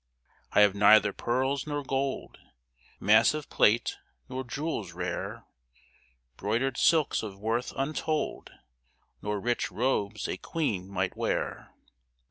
I have neither pearls nor gold. Massive plate, nor jewels rare ; Broidered silks of worth untold, Nor rich robes a queen might wear.